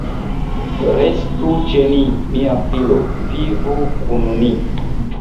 Restu ĉe ni, mia filo, vivu kun ni.